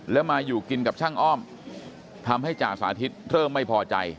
แล้วมาอยู่กินกับช่างอ้อมทำให้จ่าสาธิตเริ่มไม่พอใจ